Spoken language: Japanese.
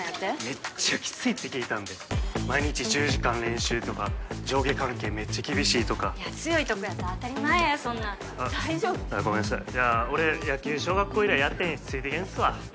めっちゃキツいって聞いたんで毎日１０時間練習とか上下関係めっちゃ厳しいとかいや強いとこやったら当たり前やそんなん大丈夫？ああごめんなさいいや俺野球小学校以来やってへんしついていけんっすわ